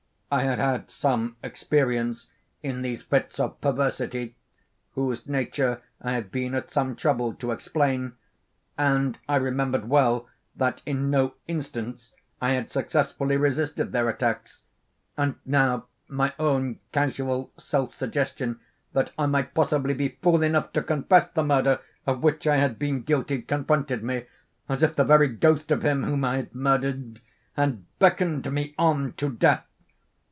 I had had some experience in these fits of perversity (whose nature I have been at some trouble to explain), and I remembered well that in no instance I had successfully resisted their attacks. And now my own casual self suggestion that I might possibly be fool enough to confess the murder of which I had been guilty, confronted me, as if the very ghost of him whom I had murdered—and beckoned me on to death.